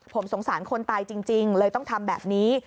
ผมสงสารคนตายจริงเลยต้องทำแบบนี้